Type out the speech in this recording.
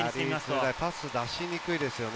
パスが出しにくいですよね。